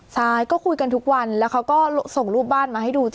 ใช่ก็คุยกันทุกวันแล้วเขาก็ส่งรูปบ้านมาให้ดู